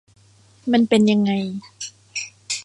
มันเป็นยังไง